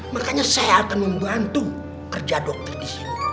makanya saya akan membantu kerja dokter disini